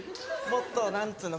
もっと何ていうの？